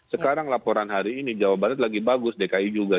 sekarang laporan hari ini jawa barat lagi bagus dki juga